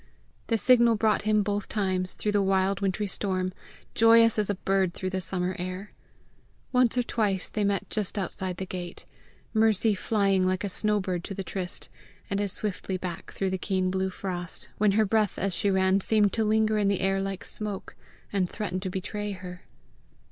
The signal brought him both times through the wild wintry storm, joyous as a bird through the summer air. Once or twice they met just outside the gate, Mercy flying like a snow bird to the tryst, and as swiftly back through the keen blue frost, when her breath as she ran seemed to linger in the air like smoke, and threaten to betray her.